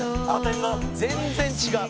「全然違う」